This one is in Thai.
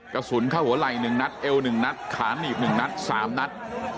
กระสุนเข้าหัวไหล่๑นัดเอว๑นัดขาหนีบ๑นัด๓นัด